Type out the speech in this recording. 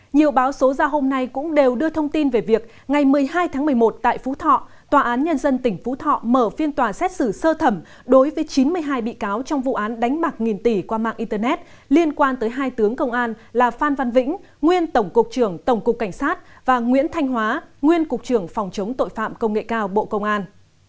nhiều báo số ra hôm nay cũng đều đưa thông tin về việc ngày một mươi hai tháng một mươi một tại phú thọ tòa án nhân dân tỉnh phú thọ mở phiên tòa xét xử sơ thẩm đối với chín mươi hai bị cáo trong vụ án đánh bạc nghìn tỷ qua mạng internet liên quan tới hai tướng công an là phan văn vĩnh nguyên tổng cục trưởng tổng cục cảnh sát và nguyễn thanh hóa nguyên cục trưởng phòng chống tội phạm công nghệ cao bộ công an